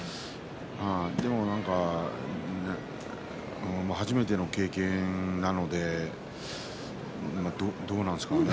でもなんか初めての経験なのでどうなんですかね